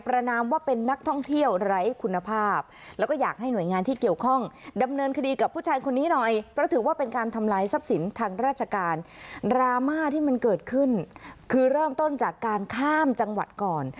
รามาที่มันเกิดขึ้นคือเริ่มต้นจากการข้ามจังหวัดก่อน